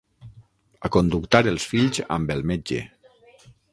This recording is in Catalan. Aconductar els fills amb el metge.